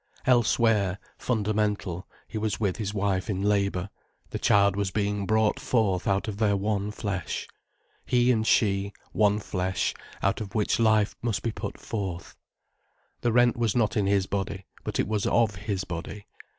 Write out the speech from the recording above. Elsewhere, fundamental, he was with his wife in labour, the child was being brought forth out of their one flesh. He and she, one flesh, out of which life must be put forth. The rent was not in his body, but it was of his body.